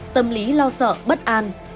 tâm lý lo sợ bất an